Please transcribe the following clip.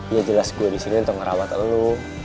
ya jelas gue disini untuk ngerawat lalu